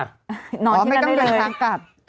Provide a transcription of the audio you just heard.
ดิอ๋อนางนึงท้องช่องตัวกลับ